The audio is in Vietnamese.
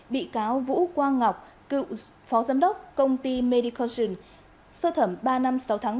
bị cáo vũ quang ngọc cựu phó giám đốc công ty medication sơ thẩm ba năm sáu tháng